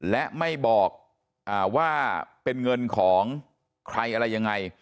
และไม่บอกว่าเป็นเงินของใครอะไรยังไง